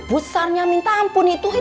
busarnya minta ampun itu